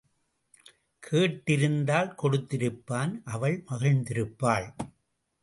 கேட்டிருந்தால் கொடுத்திருப்பான் அவள் மகிழ்ந்திருப்பாள்.